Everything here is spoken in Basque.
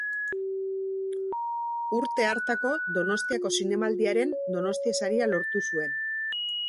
Urte hartako Donostiako Zinemaldiaren Donostia Saria lortu zuen.